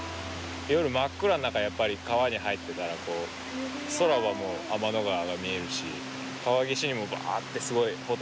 夜真っ暗の中やっぱり川に入ってたらこう空はもう天の川が見えるし川岸にもばあってすごいホタルが見えるんで。